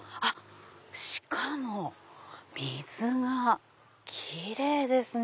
しかも水が奇麗ですね。